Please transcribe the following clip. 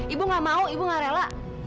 ibu gak mau ibu gak rela